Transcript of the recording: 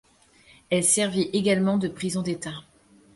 Elle servit également de prison d'État.